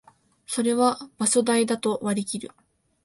それは場所代だと割りきる